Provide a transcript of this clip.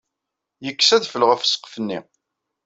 Yekkes adfel ɣef ssqef-nni.